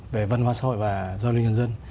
về văn hóa xã hội và doanh nghiệp nhân dân